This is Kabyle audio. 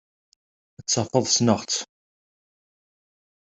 Ad tafeḍ ssneɣ-tt.